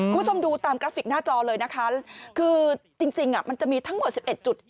คุณผู้ชมดูตามกราฟิกหน้าจอเลยนะคะคือจริงมันจะมีทั้งหมด๑๑จุด